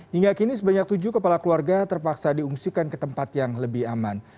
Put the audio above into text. hingga kini sebanyak tujuh kepala keluarga terpaksa diungsikan ke tempat yang lebih aman